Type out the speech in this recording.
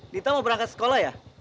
dita mau berangkat sekolah ya